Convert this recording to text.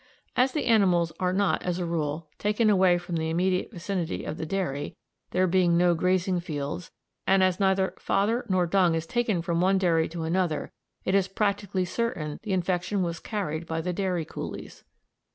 "As the animals are not, as a rule, taken away from the immediate vicinity of the dairy, there being no grazing fields, and as neither fodder nor dung is taken from one dairy to another, it is practically certain the infection was carried by the dairy coolies.